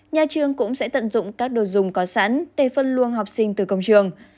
nhà trường cũng sẽ tận dụng các đồ dùng có sẵn để phân luồng học sinh từ công trường